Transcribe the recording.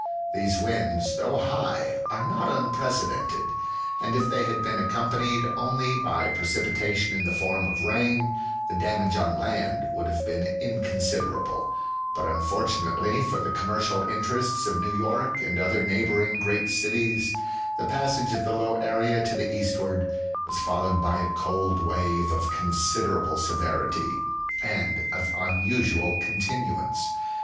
These winds, though high, are not unprecedented, and if they had been accompanied only by precipitation in the form of rain, the damage on land would have been inconsiderable, but, unfortunately for the commercial inter ests of New York and other neighboring great cities, the passage of the low area to the eastward was followed by a cold wave of considerable severity and of unusual continuance.